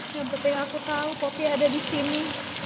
yang penting aku tau poppy ada disini